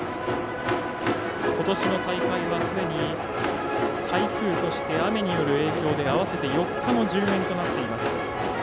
ことしの大会は、すでに台風そして雨による影響で合わせて４日の順延となっています。